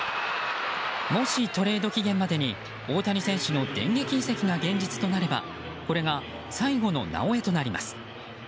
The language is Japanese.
もし、トレード期限までに大谷選手の電撃移籍が現実となればこれが最後の「なおエ」となります。